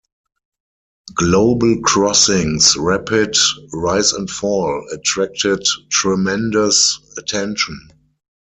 Global Crossing's rapid rise and fall attracted tremendous attention.